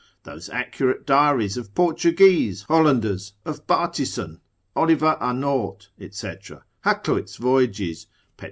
Those accurate diaries of Portuguese, Hollanders, of Bartison, Oliver a Nort, &c. Hakluyt's voyages, Pet.